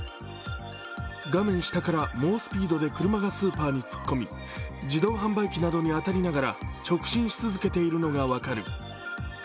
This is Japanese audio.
画面下から猛スピードで車がスーパーに突っ込み自動販売機などに当たりながら直進し続けているのが分かる。